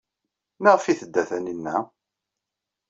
Maɣef ay tedda Taninna?